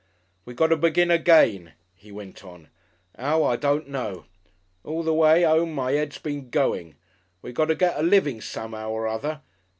"We got to begin again," he went on. "'Ow, I don't know. All the way 'ome my 'ead's been going. We got to get a living some'ow or other.